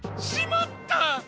しまった！